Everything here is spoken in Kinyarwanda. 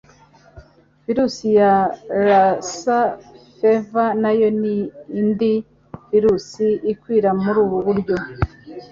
Virusi ya 'Lassa fever' nayo ni indi virusi ikwira muri ubu buryo –